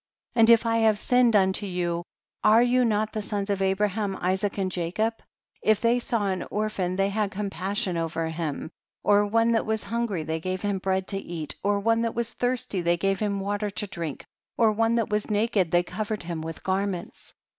And if I have sin ned unto you, are you not the sons of Abraham, Isaac and Jacob ? if they saw an orphan they had com passion over him, or one that was hungry they gave him bread to eat, or one that was thirsty they gave him water to drink, or one that was naked they covered him with garments